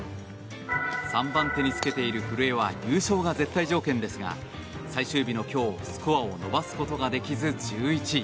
３番手につけている古江は優勝が絶対条件ですが最終日の今日スコアを伸ばすことができず１１位。